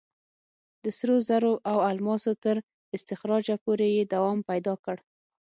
د سرو زرو او الماسو تر استخراجه پورې یې دوام پیدا کړ.